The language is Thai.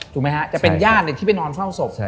ถูกไหมฮะจะเป็นญาติที่ไปนอนเฝ้าศพ